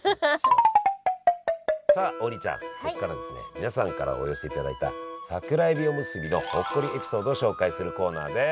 皆さんからお寄せいただいた桜えびおむすびのほっこりエピソードを紹介するコーナーです！